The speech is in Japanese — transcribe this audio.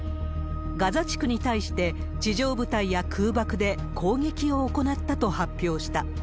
ガザ地区に対して、地上部隊や空爆で攻撃を行ったと発表した。